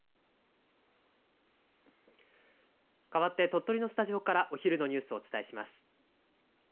かわって鳥取のスタジオからお昼のニュースをお伝えします。